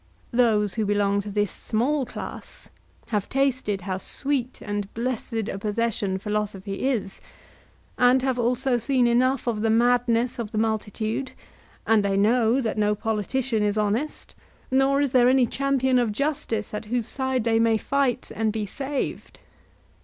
Those who belong to this small class have tasted how sweet and blessed a possession philosophy is, and have also seen enough of the madness of the multitude; and they know that no politician is honest, nor is there any champion of justice at whose side they may fight and be saved.